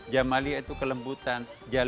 jamaliah itu kelembutan